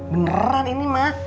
beneran ini ma